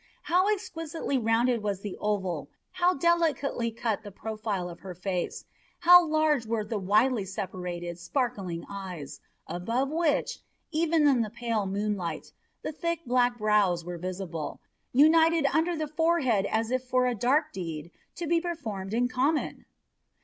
How exquisitely rounded was the oval, how delicately cut the profile of her face, how large were the widely separated, sparkling eyes, above which, even in the pale moonlight, the thick black brows were visible, united under the forehead as if for a dark deed to be performed in common!